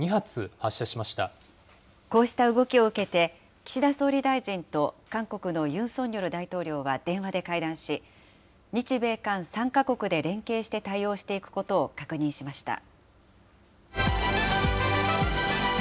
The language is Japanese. こうした動きを受けて、岸田総理大臣と韓国のユン・ソンニョル大統領は電話で会談し、日米韓３か国で連携して対応していくことを確認しました。